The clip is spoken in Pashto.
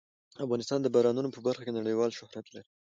افغانستان د بارانونو په برخه کې نړیوال شهرت لري.